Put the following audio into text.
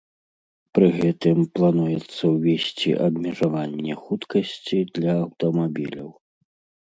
Пры гэтым плануецца ўвесці абмежаванне хуткасці для аўтамабіляў.